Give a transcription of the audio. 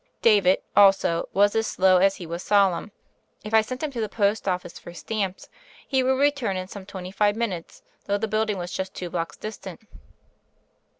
David, also, was as slow as he was solemn. If I sent him to the post office for stamps, he would return in some twenty five minutes, though the building was just two blocks distant.